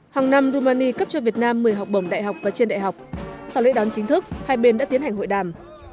hàng năm romani cấp cho việt nam một mươi học bổng đại học và trên đại học sau lễ đón chính thức hai bên đã tiến hành hội đàm